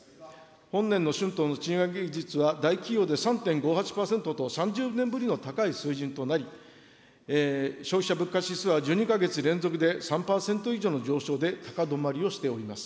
本年の春闘の賃上げ率は、大企業で３．５８％と、３０年ぶりの高い水準となり、消費者物価指数は１２か月連続で３％以上の上昇で高止まりをしております。